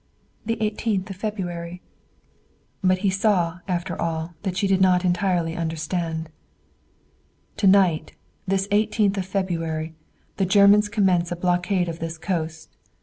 "The eighteenth of February." But he saw, after all, that she did not entirely understand. "To night, this eighteenth of February, the Germans commence a blockade of this coast.